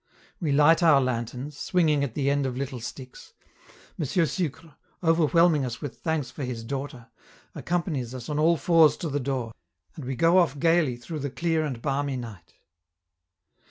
We light our lanterns, swinging at the end of little sticks; M. Sucre, overwhelming us with thanks for his daughter, accompanies us on all fours to the door, and we go off gayly through the clear and balmy night.